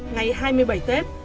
ngày hai mươi bảy tết